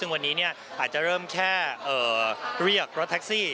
ไม่แค่เรียกรถแท็กซี่